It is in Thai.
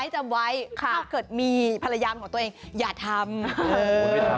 ถ้าเกิดมีพยายามของตัวเองอย่าทำ